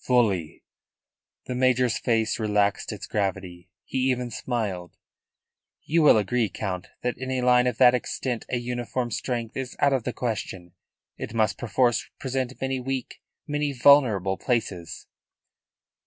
"Fully." The major's face relaxed its gravity. He even smiled. "You will agree, Count, that in a line of that extent a uniform strength is out of the question. It must perforce present many weak, many vulnerable, places."